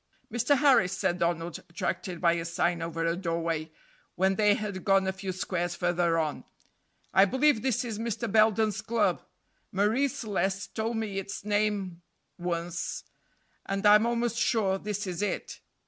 "Mr. Harris," said Donald, attracted by a sign over a doorway, when they had gone a few squares farther on, "I believe this is Mr. Belden's club. Marie Celeste told me its name once, and I'm almost sure this is it."